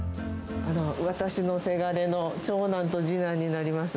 私のせがれの長男と次男になります。